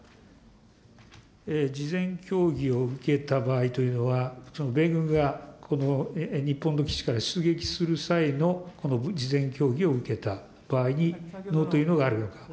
事前協議を受けた場合というのは、米軍が日本の基地から出撃する際の事前協議を受けた場合にノーというあるのか。